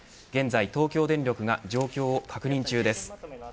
現在、東京電力が状況を確認中です。